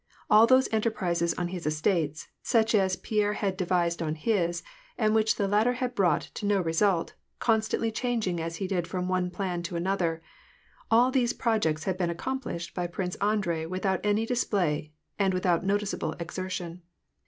All those enterprises on his estates, such as Pierre had devised on his, and which the latter had brought to no re sult, constantly changing as he did from one plan to another, y all these projects had been accomplished by Prince Andrei without any display, and without noticeable exertion.